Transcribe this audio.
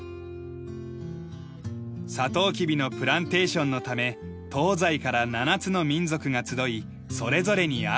サトウキビのプランテーションのため東西から７つの民族が集いそれぞれに汗を流した。